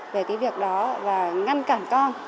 về cái việc đó và ngăn cản con